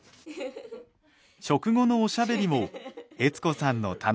食後のおしゃべりも悦子さんの楽しみの一つ。